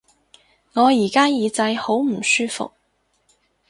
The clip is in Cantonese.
我而家耳仔好唔舒服